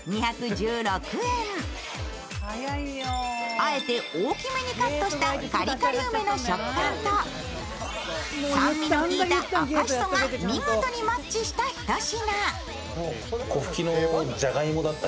あえて大きめにカットしたカリカリ梅の食感と酸味のきいた赤しそが見事にマッチした一品。